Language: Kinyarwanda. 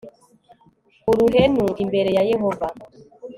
uruhenu imbere ya Yehova